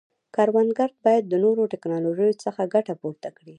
کروندګر باید د نوو ټکنالوژیو څخه ګټه پورته کړي.